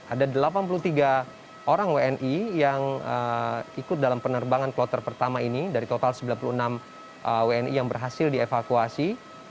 ada delapan puluh tiga orang wni yang ikut dalam penerbangan kloter pertama ini dari total sembilan puluh enam wni yang berhasil dievakuasi